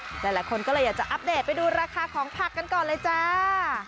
หลายคนก็เลยอยากจะอัปเดตไปดูราคาของผักกันก่อนเลยจ้า